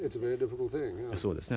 そうですね。